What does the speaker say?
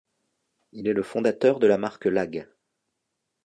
Il est le fondateur de la marque Lâg.